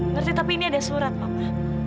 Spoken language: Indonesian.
ngerti tapi ini ada surat mama